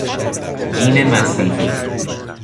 دین مسیحی